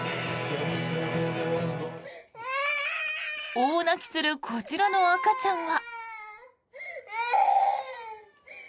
大泣きするこちらの赤ちゃんは。